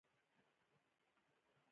هغه چای چیکي.